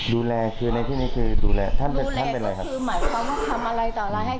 ดูแลคือในที่นี้คือดูแลท่านเป็นท่านเป็นอะไรครับคือหมายความว่าทำอะไรต่ออะไรให้